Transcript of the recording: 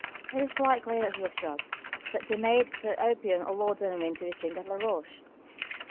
"It is quite clear he was drugged, that the maid put opium or laudanum into his drink at Laroche."